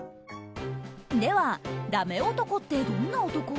では、ダメ男ってどんな男？